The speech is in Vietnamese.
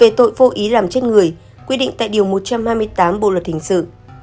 về tội vô ý làm chết người quy định tại điều một trăm hai mươi tám bộ luật hình sự